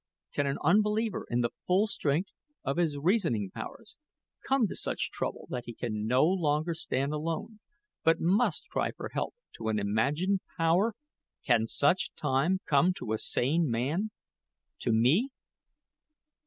Can an unbeliever, in the full strength of his reasoning powers, come to such trouble that he can no longer stand alone, but must cry for help to an imagined power? Can such time come to a sane man to me?"